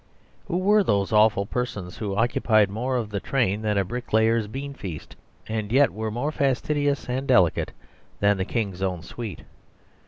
Who were those awful persons, who occupied more of the train than a bricklayer's beanfeast, and yet were more fastidious and delicate than the King's own suite?